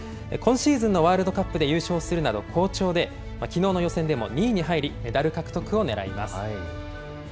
今シーズンのワールドカップで優勝するなど、好調で、きのうの予選でも２位に入り、メダル獲得を狙います。